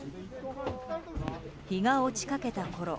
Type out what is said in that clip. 日が落ちかけたころ